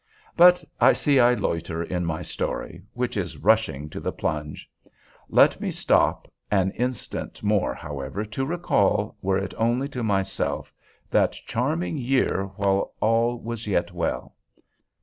But I see I loiter on my story, which is rushing to the plunge. Let me stop an instant more, however, to recall, were it only to myself, that charming year while all was yet well.